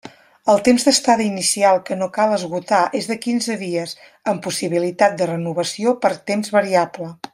El temps d'estada inicial, que no cal esgotar, és de quinze dies, amb possibilitat de renovació per temps variable.